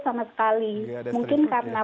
sama sekali mungkin karena